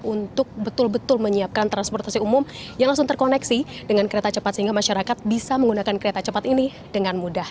untuk betul betul menyiapkan transportasi umum yang langsung terkoneksi dengan kereta cepat sehingga masyarakat bisa menggunakan kereta cepat ini dengan mudah